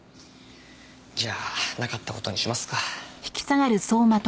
じゃあなかった事にしますか。